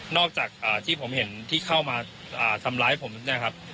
อกจากที่ผมเห็นที่เข้ามาทำร้ายผมเนี่ยครับ